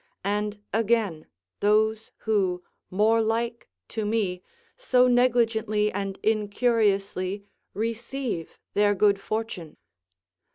And, again, those who, more like to me, so negligently and incuriously receive their good fortune.